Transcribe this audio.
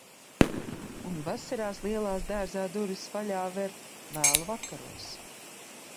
Un vasarās lielās dārzā durvis vaļā ver vēlu vakaros.